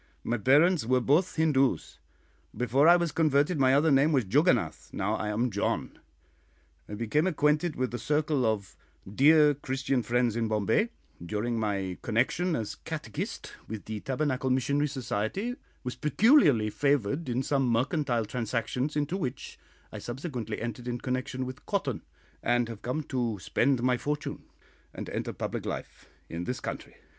"My parents were both Hindoos. Before I was converted my other name was Juggonath; now I am John. I became acquainted with a circle of dear Christian friends in Bombay, during my connection, as catechist, with the Tabernacle Missionary Society, was peculiarly favoured in some mercantile transactions into which I subsequently entered in connection with cotton, and have come to spend my fortune, and enter public life, in this country.